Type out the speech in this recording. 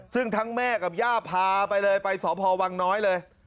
ซึ่งทั้งแม่กับย่าพาไปเลยไปสพวังน้อยเลย